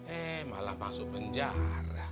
eh malah masuk penjara